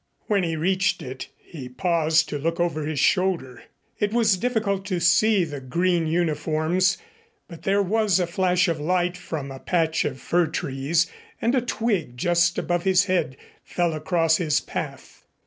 When he reached it he paused to look over his shoulder. It was difficult to see the green uniforms, but there was a flash of light from a patch of fir trees and a twig just above his head fell across his path.